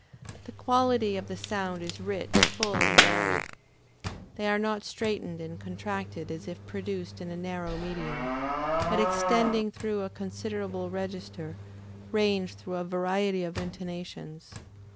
The quality of the sounds is rich, full, and varied. They are not straitened and contracted as if produced in a narrow medium, but extending through a considerable register, range through a variety of intonations.